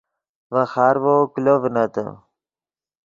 ڤے خارڤو کلو ڤنتے